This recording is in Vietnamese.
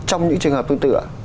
trong những trường hợp tương tự ạ